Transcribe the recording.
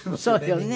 そうよね。